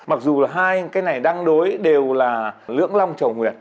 mặc dù là hai cái này đăng đối đều là lưỡng long trồng nguyệt